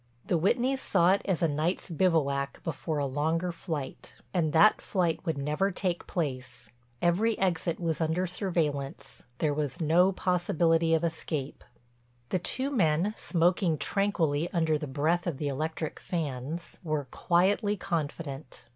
The Whitneys saw it as a night's bivouac before a longer flight. And that flight would never take place; every exit was under surveillance, there was no possibility of escape. The two men, smoking tranquilly under the breath of the electric fans, were quietly confident.